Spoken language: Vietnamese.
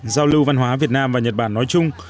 giao lưu văn hóa việt nam và nhật bản nói chung